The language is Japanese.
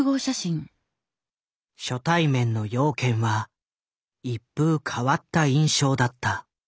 初対面の養賢は一風変わった印象だった。